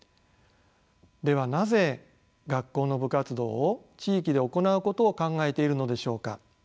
ではなぜ学校の部活動を地域で行うことを考えているのでしょうか。